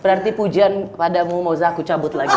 berarti pujian padamu moza aku cabut lagi